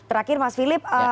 terakhir mas philip